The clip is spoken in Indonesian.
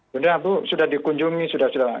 sudah bu sudah dikunjungi sudah sudah lama